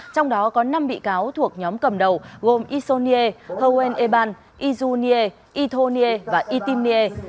trong đó có năm bị cáo thuộc nhóm cầm đầu gồm isonye hohen eban izunye itonye và itinye